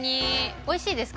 おいしいですか？